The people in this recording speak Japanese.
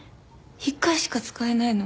一回しか使えないの？